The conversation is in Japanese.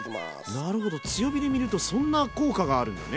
なるほど強火で煮るとそんな効果があるんだね。